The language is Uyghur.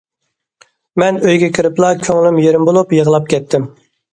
مەن ئۆيگە كىرىپلا كۆڭلۈم يېرىم بولۇپ يىغلاپ كەتتىم.